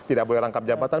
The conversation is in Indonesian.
tidak boleh rangkap jabatan